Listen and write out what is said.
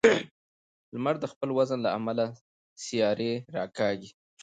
لمر د خپل وزن له امله سیارې راکاږي.